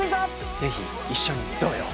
是非一緒にどうよ？